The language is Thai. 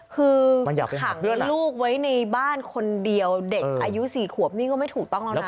คือขังลูกไว้ในบ้านคนเดียวเด็กอายุ๔ขวบนี่ก็ไม่ถูกต้องแล้วนะ